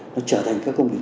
nó trở thành các công việc